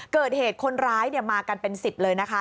เกิดเหตุคนร้ายมากันเป็น๑๐เลยนะคะ